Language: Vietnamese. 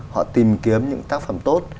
họ tìm kiếm những tác phẩm tốt